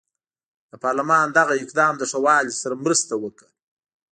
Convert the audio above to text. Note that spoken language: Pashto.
د پارلمان دغه اقدام له ښه والي سره مرسته وکړه.